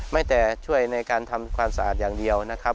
ไม่แต่ช่วยในการทำความสะอาดอย่างเดียวนะครับ